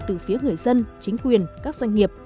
từ phía người dân chính quyền các doanh nghiệp